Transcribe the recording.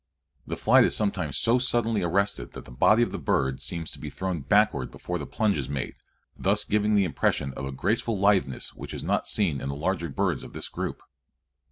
The flight is sometimes so suddenly arrested that the body of the bird seems to be thrown backward before the plunge is made, thus giving the impression of a graceful litheness which is not seen in the larger birds of this group.